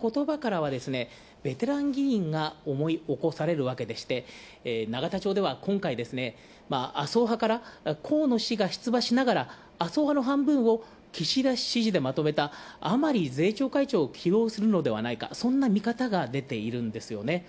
この言葉からはベテラン議員が思い起こされるわけでして、永田町では今回、麻生派から河野氏が出馬しながら麻生派の半分を岸田氏支持でまとめた甘利税調会長を起用するのではないか、そんな見方が出ているんですよね。